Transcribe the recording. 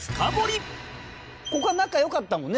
ここは仲良かったもんね